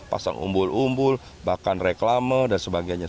pasang umbul umbul bahkan reklame dan sebagainya